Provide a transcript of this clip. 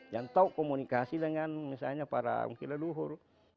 yang tahu komunikasi dengan misalnya para mukilaluhur